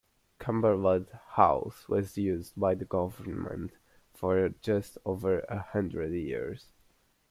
Cumberland House was used by the government for just over a hundred years.